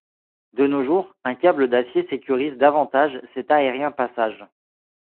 De nos jours, un câble d'acier sécurise davantage cet aérien passage.